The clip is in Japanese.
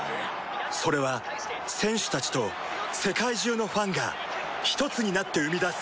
それは選手たちと世界中のファンがひとつになって生み出す